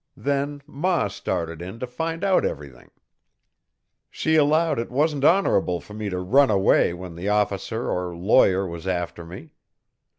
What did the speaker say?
Then ma started in to find out everything. "She allowed it wasn't honorable for me to run away when the officer or lawyer was after me.